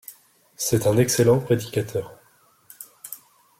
C'est un excellent prédicateur.